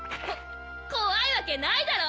こわいわけないだろ！